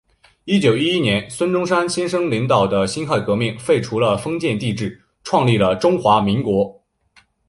一九一一年孙中山先生领导的辛亥革命，废除了封建帝制，创立了中华民国。